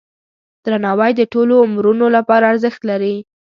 درناوی د ټولو عمرونو لپاره ارزښت لري.